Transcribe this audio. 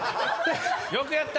よくやった！